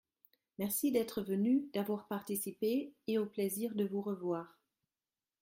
Merci d’être venu, d’avoir participé et au plaisir de vous revoir.